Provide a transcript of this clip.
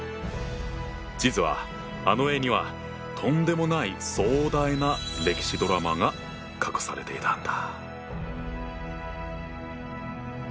実はあの絵にはとんでもない壮大な歴史ドラマが隠されていたんだ。